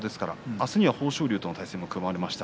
明日には豊昇龍との対戦も組まれました。